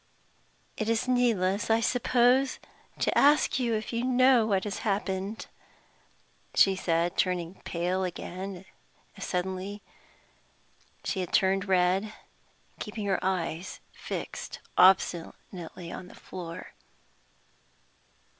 "It is needless, I suppose, to ask you if you know what has happened," she said, turning pale again as suddenly as she had turned red, and keeping her eyes fixed obstinately on the floor.